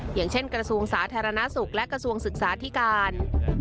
อย่างเช่นกระทรวงสาธารณสุขและกระทรวงศึกษาธิการ